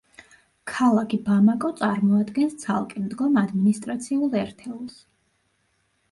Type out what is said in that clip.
ქალაქი ბამაკო წარმოადგენს ცალკე მდგომ ადმინისტრაციულ ერთეულს.